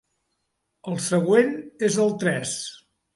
El següent és el tres.